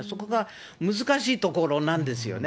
そこが難しいところなんですよね。